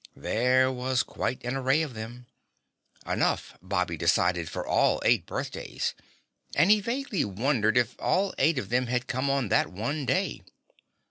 There was quite an array of them enough Bobby decided for all eight birthdays and he vaguely wondered if all eight of them had come on that one day.